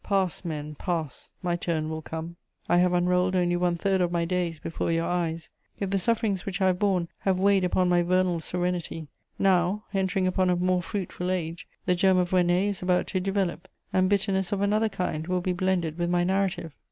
Pass, men, pass; my turn will come. I have unrolled only one third of my days before your eyes; if the sufferings which I have borne have weighed upon my vernal serenity, now, entering upon a more fruitful age, the germ of René is about to develop, and bitterness of another kind will be blended with my narrative!